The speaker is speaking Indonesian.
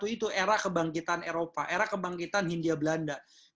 seribu delapan ratus dua puluh satu itu era kebangkitan eropa era kebangkitan hindia belanda